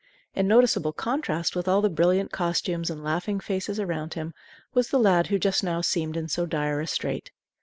In noticeable contrast with all the brilliant costumes and laughing faces around him was the lad who just now seemed in so dire a strait.